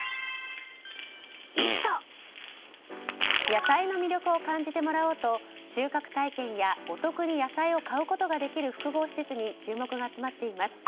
野菜の魅力を感じてもらおうと収穫体験やお得に野菜を買うことができる複合施設に注目が集まっています。